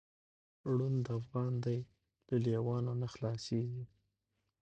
ړوند افغان دی له لېوانو نه خلاصیږي